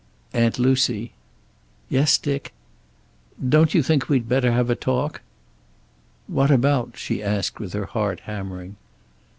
"Aunt Lucy." "Yes, Dick." "Don't you think we'd better have a talk?" "What about?" she asked, with her heart hammering.